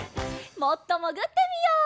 もっともぐってみよう。